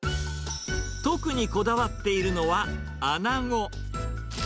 特にこだわっているのはアナゴ。